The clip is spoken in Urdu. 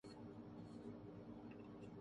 موقع پر موجود ہر تماشائی کو بھی سزا ملنی چاہیے